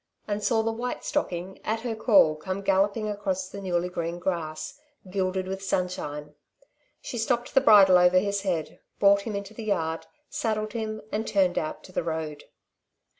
and saw the white stocking, at her call, come galloping across the newly green grass, gilded with sunshine. She slipped the bridle over his head, brought him into the yard, saddled him and turned out to the road.